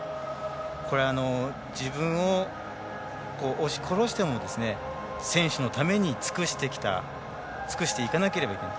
これは、自分を押し殺しても選手のために尽くしていかなければならない。